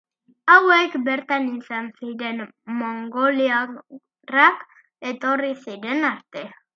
Hauek bertan izan ziren mongoliarrak etorri ziren arte.